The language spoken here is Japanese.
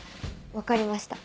分かりました。